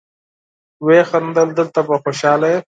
ويې خندل: دلته به خوشاله يې.